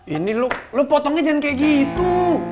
ini lo potongnya jangan kayak gitu